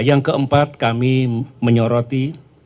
yang keempat kami menyoroti